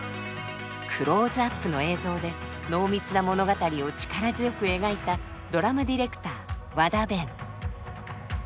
クローズアップの映像で濃密な物語を力強く描いたドラマディレクター和田勉。